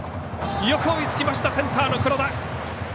よく追いつきましたセンターの黒田。